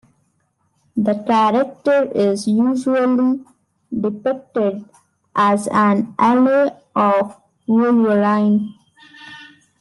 The character is usually depicted as an ally of Wolverine.